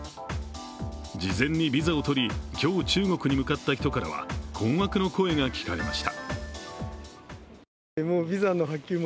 事前にビザを取り、今日、中国に向かった人からは困惑の声が聞かれました。